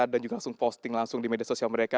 dan juga posting langsung di media sosial mereka